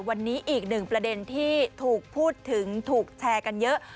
วันนี้อีกหนึ่งประเด็นที่ถูกพูดถึงถูกแชร์กันเยอะ